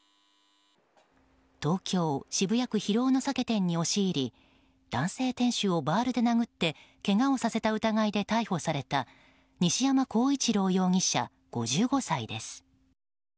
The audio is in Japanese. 東京・渋谷区広尾の酒店に押し入り男性店主をバールで殴ってけがをさせた疑いで逮捕された西山幸一郎容疑者、５５歳です。